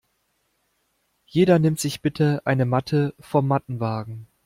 Jeder nimmt sich bitte eine Matte vom Mattenwagen.